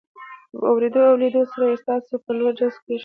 په اورېدو او لیدو سره یې ستاسو په لور جذب کیږي.